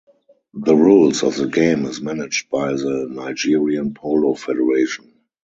The rules of the game is managed by the Nigerian Polo Federation.